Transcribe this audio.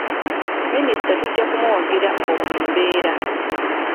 Minisita tujja kumuwagira mu buli mbeera.